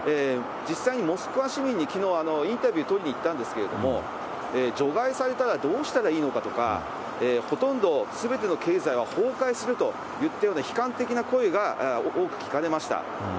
実際にモスクワ市民にきのう、インタビュー取りに行ったんですけれども、除外されたらどうしたらいいのかとか、ほとんどすべての経済は崩壊するといったような悲観的な声が多く聞かれました。